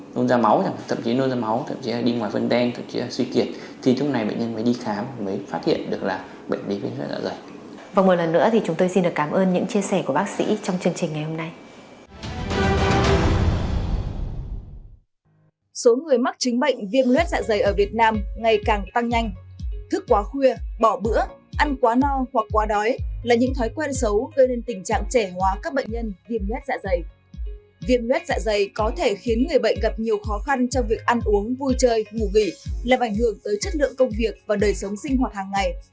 làm ảnh hưởng tới chất lượng công việc và đời sống sinh hoạt hàng ngày